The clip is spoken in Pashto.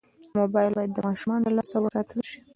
موبایل باید د ماشومانو له لاسه وساتل شي.